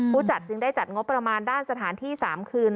ผู้จัดจึงได้จัดงบประมาณด้านสถานที่๓คืน